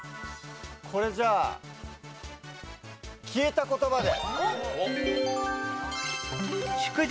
これじゃあ消えた言葉で。